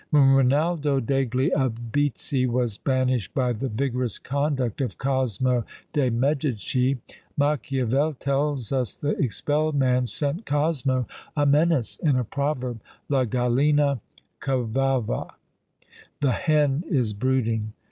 When Rinaldo degli Albizzi was banished by the vigorous conduct of Cosmo de' Medici, Machiavel tells us the expelled man sent Cosmo a menace, in a proverb, La gallina covava! "The hen is brooding!"